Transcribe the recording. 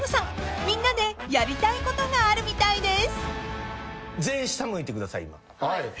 みんなでやりたいことがあるみたいです］